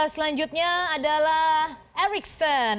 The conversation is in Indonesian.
selanjutnya adalah ericsson